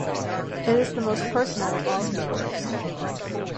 It is the most personal of all his works.